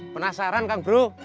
penasaran kang bro